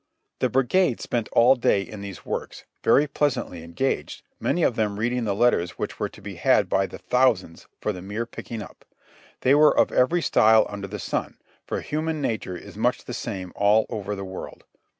The brigade spent all day in these works, very pleasantly en gaged, many of them reading the letters which were to be had by the thousands for the mere picking up. They were of every style under the sun, for human nature is much the same all over the world.